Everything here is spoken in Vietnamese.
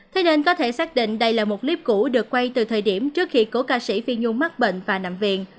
thế nên có thể xác định đây là một clip cũ được quay từ thời điểm trước khi có ca sĩ phi nhung mắc bệnh và nằm viện